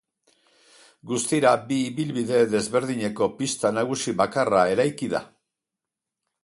Guztira bi ibilbide desberdineko pista nagusi bakarra eraiki da.